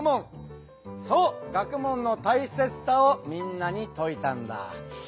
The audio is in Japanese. そう学問の大切さをみんなに説いたんだ。